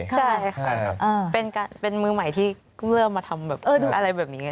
ใช่เป็นมือใหม่ที่ก็เริ่มด้วยมาทำอะไรแบบนี้